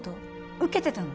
受けてたの？